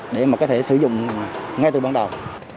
các người có thể sử dụng ngay từ bắt đầu